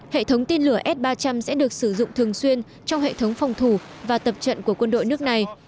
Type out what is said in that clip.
hệ thống tên lửa s ba trăm linh sẽ được sử dụng thường xuyên trong hệ thống phòng thủ và tập trận của quân đội nước này